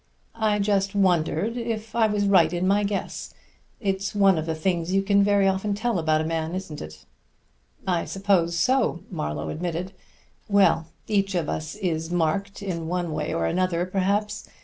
"I just wondered if I was right in my guess. It's one of the things you can very often tell about a man, isn't it?" "I suppose so," Marlowe admitted. "Well, each of us is marked in one way or another, perhaps.